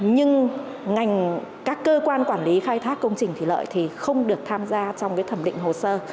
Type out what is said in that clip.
nhưng các cơ quan quản lý khai thác công trình thủy lợi thì không được tham gia trong thẩm định hồ sơ